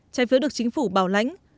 trái phiếu được chính phủ bảo lãnh